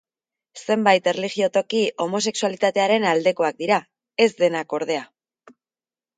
Zenbait erlijio-toki homosexualitatearen aldekoak dira, ez denak ordea.